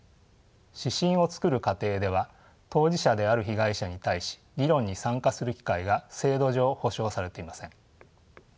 指針を作る過程では当事者である被害者に対し議論に参加する機会が制度上保障されていません。